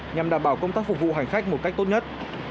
nhằm đảm bảo công tác phục vụ hành khách một cách tốt nhất